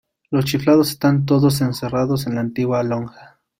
Los chiflados están todos encerrados en la antigua lonja.